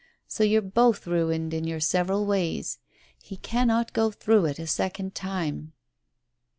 So you're both ruined in your several ways. He cannot go through it a second time.